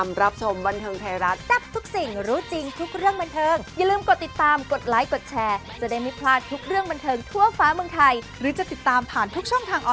มันเทิงไทรัก